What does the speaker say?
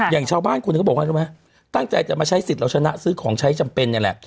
อย่างชาวบ้านคนหนึ่งก็บอกว่ารู้ไหมตั้งใจจะมาใช้สิทธิ์เราชนะซื้อของใช้จำเป็นเนี่ยแหละ